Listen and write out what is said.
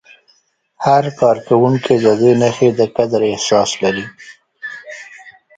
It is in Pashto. هر کارکوونکی د دې نښې د قدر احساس لري.